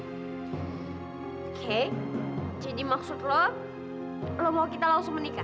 oke jadi maksud lo mau kita langsung menikah